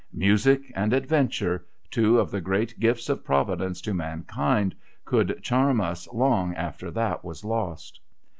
Music and Adventure, two of the great gifts of Providence to man kind, could charm us long after that was lost.